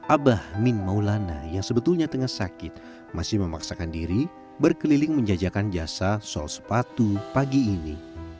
abah min maulana yang sebetulnya tengah sakit masih memaksakan diri berkeliling menjajakan jasa sol sepatu pagi ini